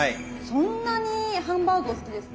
そんなにハンバーグお好きですか？